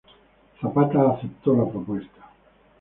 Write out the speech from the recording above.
Zapata aceptó la propuesta.